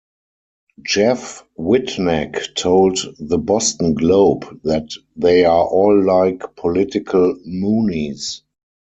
Jeff Whitnack told "The Boston Globe" that "They are like political Moonies.